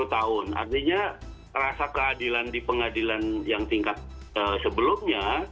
sepuluh tahun artinya rasa keadilan di pengadilan yang tingkat sebelumnya